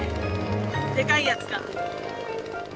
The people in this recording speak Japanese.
でかいやつが。